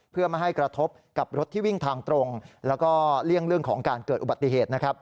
เพื่อไม่ให้กระทบกับรถที่วิ่งทางตรงแล้วก็เลี่ยงเรื่องของการเกิดอุบัติเหตุนะครับ